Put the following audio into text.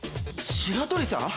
白鳥さん！？